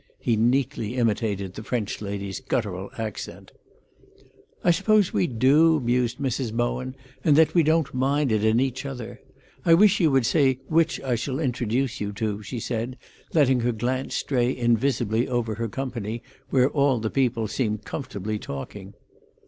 '" He neatly imitated the French lady's guttural accent. "I suppose we do," mused Mis. Bowen, "and that we don't mind it in each other. I wish you would say which I shall introduce you to," she said, letting her glance stray invisibly over her company, where all the people seemed comfortably talking.